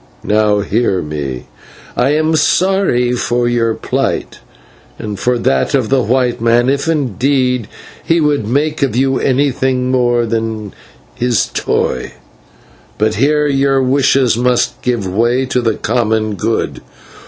Now, hear me; I am sorry for your plight and for that of the white man, if indeed he would make of you anything more than his toy, but here your wishes must give way to the common good.